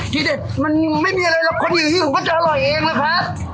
ที่เด็ดมันไม่มีอะไรล่ะคนอยู่ก็จะอร่อยเองล่ะครับ